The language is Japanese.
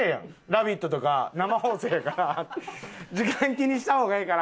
『ラヴィット！』とか生放送やから時間気にした方がええから。